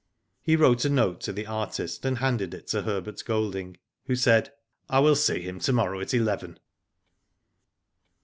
He wrote a note to the artist, and handed it to Herbert Golding, who said :" I will see him to morrow at eleven."